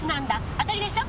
当たりでしょ？